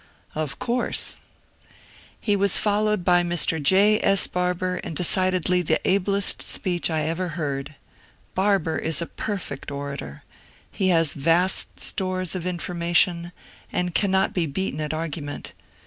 Of course I "He was followed by Mr. J. S. Barbour in decidedly the ablest speech I ever heard. Barbour is a perfect orator. He has vast stores of information, and cannot be beaten at argument.